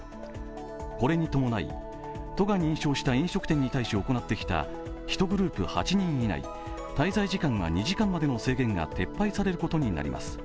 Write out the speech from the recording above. これに伴い、都が認証した飲食店に対し行ってきた１グループ８人以内、滞在時間は２時間までの制限が撤廃されることになります。